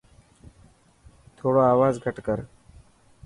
ٿوڙو آواز گهٽ ڪر.